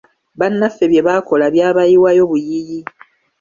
Bannaffe bye baakola byabayiwayo buyiyi!